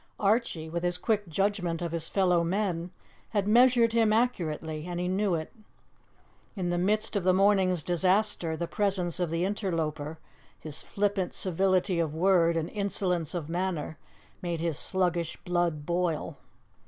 Archie, with his quick judgment of his fellow men, had measured him accurately, and he knew it. In the midst of the morning's disaster the presence of the interloper, his flippant civility of word and insolence of manner, made his sluggish blood boil.